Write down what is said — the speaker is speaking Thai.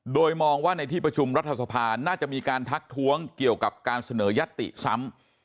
โดยมองว่าในที่ประชุมรัฐสภาน่าจะมีการทักท้วงเกี่ยวกับการเสนอยัตติซ้ำ